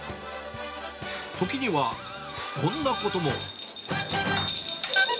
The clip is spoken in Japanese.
時には、こんなことも。